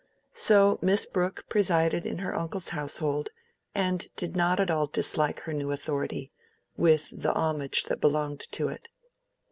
So Miss Brooke presided in her uncle's household, and did not at all dislike her new authority, with the homage that belonged to it.